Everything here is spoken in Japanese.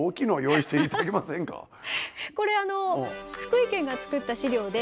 これ福井県が作った資料で。